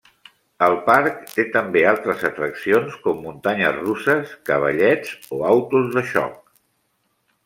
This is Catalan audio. El parc té també altres atraccions com muntanyes russes, cavallets o autos de xoc.